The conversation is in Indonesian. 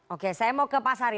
oke saya mau ke pak sari